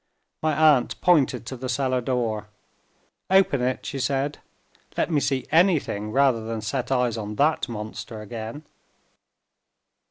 My aunt pointed to the cell door. "Open it," she said, "Let me see anything, rather than set eyes on that monster again!"